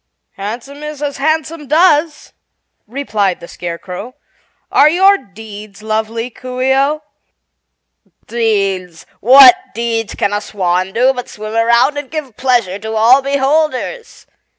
"Handsome is as handsome does," replied the Scarecrow. "Are your deeds lovely, Coo ce oh?" "Deeds? What deeds can a swan do but swim around and give pleasure to all beholders?"